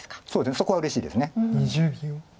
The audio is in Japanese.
そこはうれしいです。